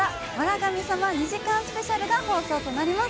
神様２時間スペシャルが放送となります。